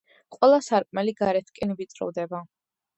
ყველა სარკმელი გარეთკენ ვიწროვდება.